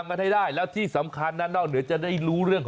อ๋อนี่เดี๋ยวเอายังไงเอาให้ตรง